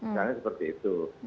misalnya seperti itu